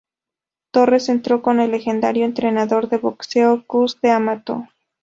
Torres entrenó con el legendario entrenador de boxeo Cus D'Amato.